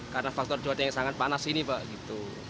karena faktor cuaca yang sangat panas ini pak gitu